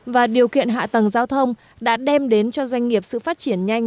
và điều kiện hạ tầng giao thông đã đem đến cho doanh nghiệp sự phát triển nhanh